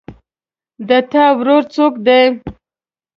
د تا ورور څوک ده